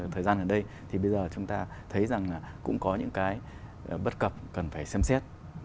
thời gian gần đây thì bây giờ chúng ta thấy rằng là cũng có những cái bất cập cần phải xem xét